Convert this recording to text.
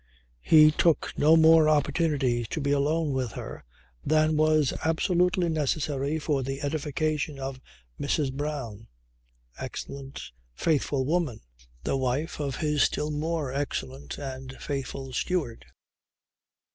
He took no more opportunities to be alone with her than was absolutely necessary for the edification of Mrs. Brown. Excellent, faithful woman; the wife of his still more excellent and faithful steward.